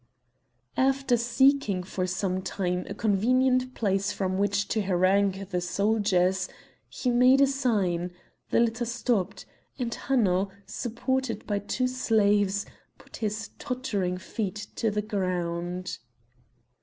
After seeking for some time a convenient place from which to harangue the soldiers, he made a sign; the litter stopped, and Hanno, supported by two slaves, put his tottering feet to the ground.